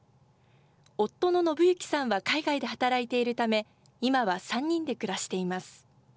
夫の信行さんは海外で働いているため、今は３人で暮らしています。